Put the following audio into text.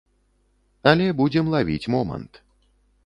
Але будзем лавіць момант.